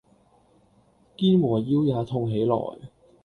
肩和腰也痛起來